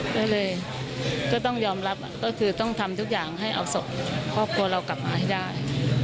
ก็เลยก็ต้องยอมรับก็คือต้องทำทุกอย่างให้เอาศพครอบครัวเรากลับมาให้ได้